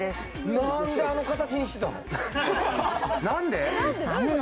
何であの形にしてたの？